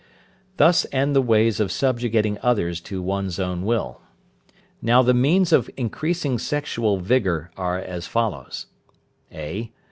Thus end the ways of subjugating others to one's own will. Now the means of increasing sexual vigour are as follows: (a).